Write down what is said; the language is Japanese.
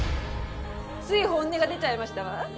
つい本音が出ちゃいましたわ。